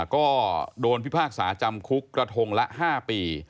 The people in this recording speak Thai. ก็โดนพิพากษาจำคุกกระทงละ๕ปี